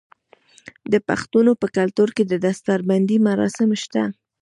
د پښتنو په کلتور کې د دستار بندی مراسم شته.